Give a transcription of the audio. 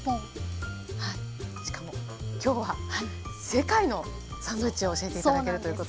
世界のサンドイッチを教えて頂けるということで。